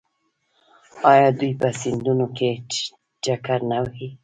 آیا دوی په سیندونو کې چکر نه وهي؟